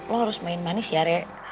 lo harus main manis ya rea